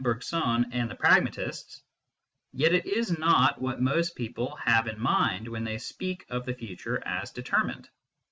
Bergson and the pragmatists, yet it is not what most people have in mind when they speak of the future as determined.